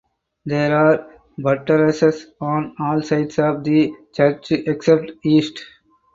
There are buttresses on all sides of the church except east.